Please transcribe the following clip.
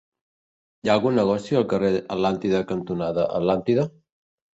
Hi ha algun negoci al carrer Atlàntida cantonada Atlàntida?